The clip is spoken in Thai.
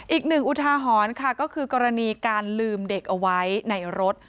อุทาหรณ์ค่ะก็คือกรณีการลืมเด็กเอาไว้ในรถ